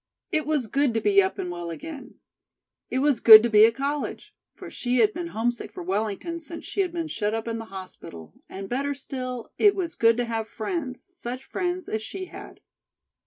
It was good to be up and well again; it was good to be at college, for she had been homesick for Wellington since she had been shut up in the hospital, and better still, it was good to have friends, such friends as she had.